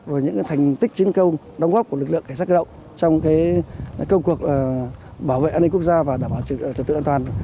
rồi những cái thành tích chiến công đóng góp của lực lượng cảnh sát cơ động trong cái công cuộc bảo vệ an ninh quốc gia và đảm bảo trường tự an toàn